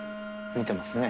見てますね。